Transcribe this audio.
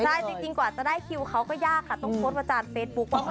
ใช่จริงกว่าจะได้คิวเขาก็ยากค่ะต้องโพสต์ประจานเฟซบุ๊คว่า